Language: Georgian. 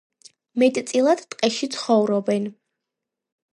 მეტწილად ტყეში ცხოვრობენ.